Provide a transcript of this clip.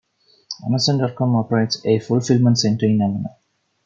Amazon dot com operates a fulfillment center in Avenel.